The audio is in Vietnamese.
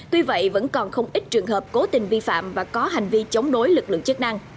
tuy vậy vẫn còn không ít trường hợp cố tình vi phạm và có hành vi chống đối lực lượng chức năng